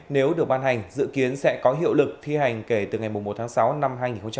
nếu được ban hành dự kiến sẽ có hiệu lực thi hành kể từ ngày một tháng sáu năm hai nghìn hai mươi